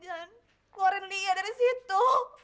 keluarin lia dari situ